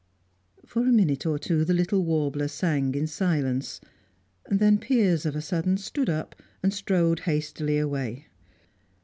For a minute or two the little warbler sang in silence, then Piers, of a sudden, stood up, and strode hastily away.